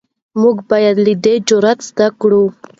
موږ باید له ده جرئت زده کړو.